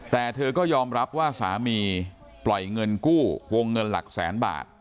แต่เธอก็ยอมรับว่าสามีปล่อยเงินกู้วงเงินหลักแสนบาท